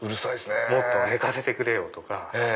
もっと寝かせてくれよ！とか。